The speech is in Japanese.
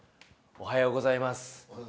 おはようございます。